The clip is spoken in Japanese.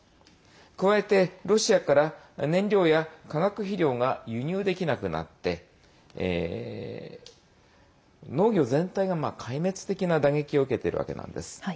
加えて、ロシアから燃料や化学肥料が輸入できなくなって農業全体が壊滅的な打撃を受けているわけなんです。